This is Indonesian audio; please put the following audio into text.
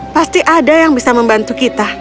pasti ada yang bisa membantu kita